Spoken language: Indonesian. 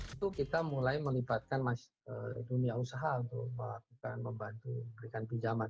itu kita mulai melibatkan dunia usaha untuk melakukan membantu memberikan pinjaman